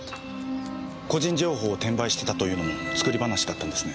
個人情報を転売してたというのも作り話だったんですね。